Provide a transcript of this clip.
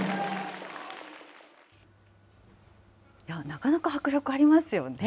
なかなか迫力ありますよね。